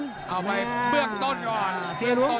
แล้วทีมงานน่าสื่อ